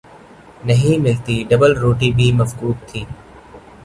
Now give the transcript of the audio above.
نہیں ملتی، ڈبل روٹی بھی مفقود تھی۔